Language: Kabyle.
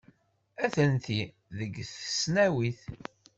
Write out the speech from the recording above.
Atenti deg tesnawit.